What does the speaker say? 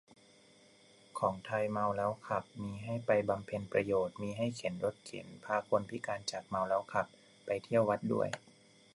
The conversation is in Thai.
ของไทย เมาแล้วขับ มีให้ไปบำเพ็ญประโยชน์ มีให้เข็นรถเข็นพาคนพิการจากเมาแล้วขับไปเที่ยววัดด้วย